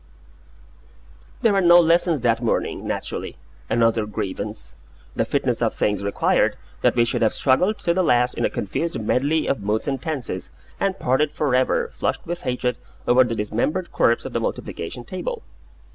There were no lessons that morning, naturally another grievance! The fitness of things required that we should have struggled to the last in a confused medley of moods and tenses, and parted for ever, flushed with hatred, over the dismembered corpse of the multiplication table.